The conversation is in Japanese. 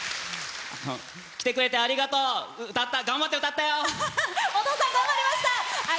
来てくれて、ありがとう！頑張って歌ったよ！